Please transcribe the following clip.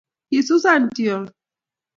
kisusan chony